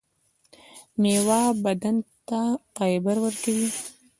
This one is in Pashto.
میوه بدن ته فایبر ورکوي